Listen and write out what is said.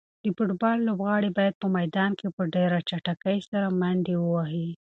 د فوټبال لوبغاړي باید په میدان کې په ډېره چټکۍ سره منډې ووهي.